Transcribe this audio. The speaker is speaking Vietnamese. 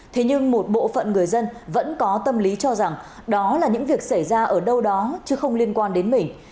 thế nhưng một bộ phận người dân vẫn có tâm lý cho rằng đó là những việc xảy ra ở đâu đó chứ không liên quan đến mình